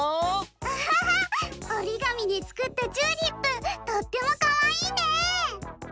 アハハッおりがみでつくったチューリップとってもかわいいね！